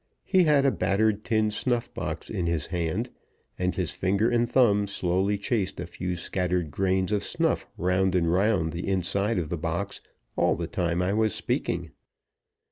He had a battered tin snuff box in his hand, and his finger and thumb slowly chased a few scattered grains of snuff round and round the inside of the box all the time I was speaking.